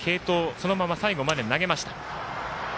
そのまま最後まで投げました。